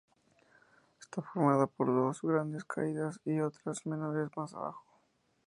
Está formada por dos grandes caídas y otras menores más abajo.